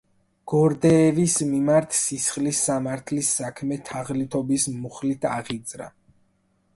გორდეევის მიმართ სისხლის სამართლის საქმე თაღლითობის მუხლით აღიძრა.